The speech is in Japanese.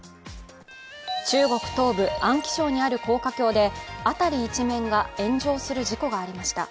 中国東部、安徽省にある高架橋で辺り一面が炎上する事故がありました。